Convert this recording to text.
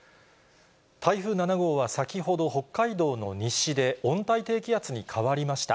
台風７号は先ほど、北海道の西で温帯低気圧に変わりました。